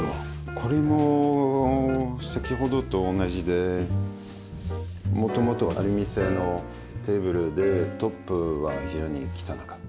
これも先ほどと同じで元々アルミ製のテーブルでトップは非常に汚かった。